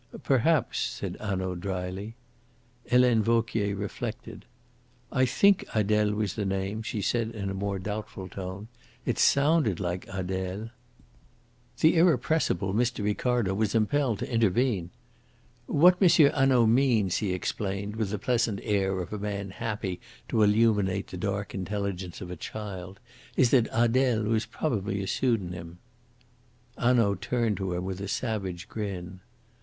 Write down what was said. "Perhaps," said Hanaud dryly. Helene Vauquier reflected. "I think Adele was the name," she said in a more doubtful tone. "It sounded like Adele." The irrepressible Mr. Ricardo was impelled to intervene. "What Monsieur Hanaud means," he explained, with the pleasant air of a man happy to illuminate the dark intelligence of a child, "is that Adele was probably a pseudonym." Hanaud turned to him with a savage grin.